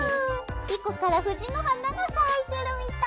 莉子から藤の花が咲いてるみたい！